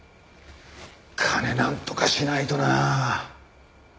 金なんとかしないとなあ。